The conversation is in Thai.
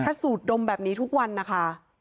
ถ้าสูดดมแบบนี้ทุกวันนะคะ